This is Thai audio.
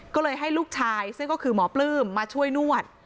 ก็เลยให้ลูกชายซึ่งก็คือหมอปลื้มมาช่วยนวด